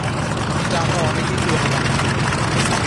কিন্তু আমরা অনেকেই তো উহা পারি না।